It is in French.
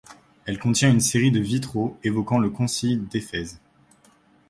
Elle contient une série de vitraux évoquant le concile d'Éphèse.